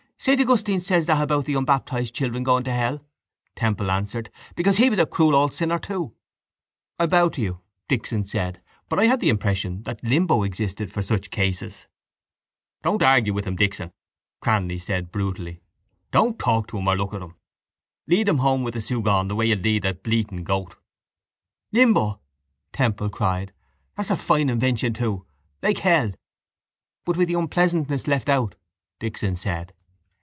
—Saint Augustine says that about unbaptised children going to hell, Temple answered, because he was a cruel old sinner too. —I bow to you, Dixon said, but I had the impression that limbo existed for such cases. —Don't argue with him, Dixon, Cranly said brutally. Don't talk to him or look at him. Lead him home with a sugan the way you'd lead a bleating goat. —Limbo! Temple cried. That's a fine invention too. Like hell. —But with the unpleasantness left out, Dixon said.